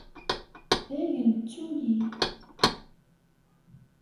Dayen ttu-yi.